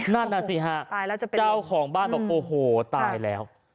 นั่นน่ะสิฮะตายแล้วจะเป็นเจ้าของบ้านบอกโอ้โหตายแล้ว